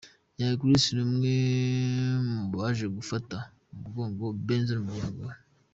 Young Grace ni umwe mu baje gufata mu mugongo Benzo n'umuryango we.